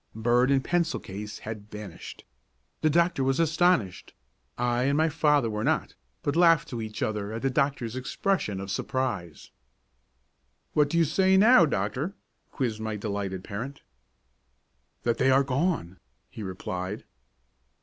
Bird and pencil case had vanished! The doctor was astonished; I and my father were not, but laughed to each other at the doctor's expression of surprise. "What do you say now, doctor?" quizzed my delighted parent. "That they are gone!" he replied.